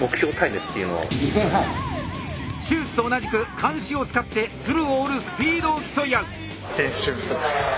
手術と同じく鉗子を使って鶴を折るスピードを競い合う！